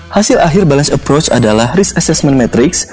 hasil akhir balance approach adalah risk assessment matrix